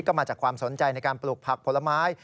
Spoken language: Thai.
ก็มาจากความสนใจในการปลูกผักผลไม้